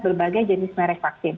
berbagai jenis merek vaksin